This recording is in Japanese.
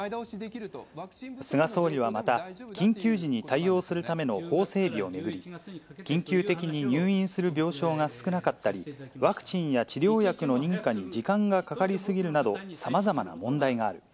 菅総理はまた、緊急時に対応するための法整備を巡り、緊急的に入院する病床が少なかったり、ワクチンや治療薬の認可に時間がかかり過ぎるなど、さまざまな問題がある。